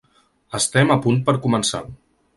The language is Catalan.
Estem a punt per començar.